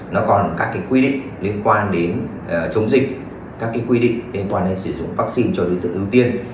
nó còn các cái quy định liên quan đến chống dịch các cái quy định liên quan đến sử dụng vaccine cho đối tượng ưu tiên